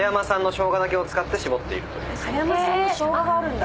葉山産のしょうががあるんだ。